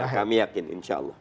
kami yakin insya allah